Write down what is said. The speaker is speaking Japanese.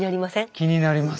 気になります。